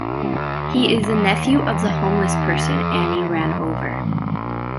He is the nephew of the homeless person Annie ran over.